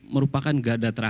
merupakan garda terdepan